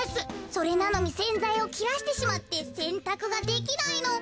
それなのにせんざいをきらしてしまってせんたくができないの。